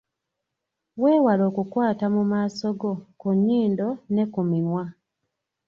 Weewale okukwata mu maaso go, ku nnyindo ne ku mimwa.